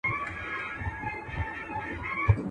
د انسانانو په جنګ راغلې.